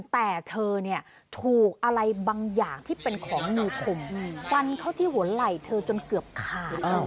แต่เธอถูกอะไรบางอย่างที่เป็นของมีคมฟันเข้าที่หัวไหล่เธอจนเกือบขาด